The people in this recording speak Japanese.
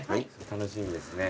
楽しみですね。